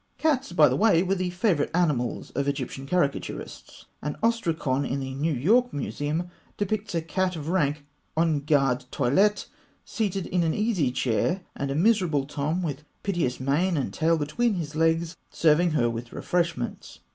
Cats, by the way, were the favourite animals of Egyptian caricaturists. An ostrakon in the New York Museum depicts a cat of rank en grande toilette, seated in an easy chair, and a miserable Tom, with piteous mien and tail between his legs, serving her with refreshments (fig.